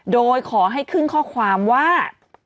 โดยขอให้ขึ้นข้อความว่า